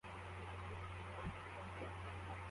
Umugore wambaye ibyuya ahagaze ku musarani